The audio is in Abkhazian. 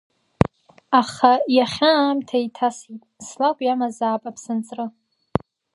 Аха иахьа аамҭа еиҭасит, слакә иамазаап аԥсынҵры.